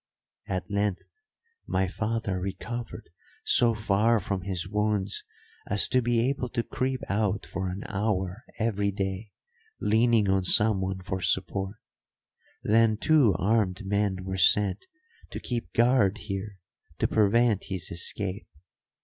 At length my father recovered so far from his wounds as to be able to creep out for an hour every day leaning on someone for support; then two armed men were sent to keep guard here to prevent his escape.